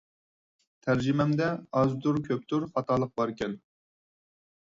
تەرجىمەمدە ئازدۇر-كۆپتۇر خاتالىق باركەن.